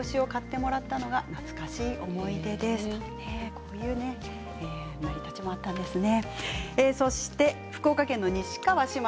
こういう成り立ちもあったんですね。